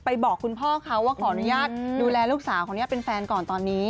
บอกคุณพ่อเขาว่าขออนุญาตดูแลลูกสาวคนนี้เป็นแฟนก่อนตอนนี้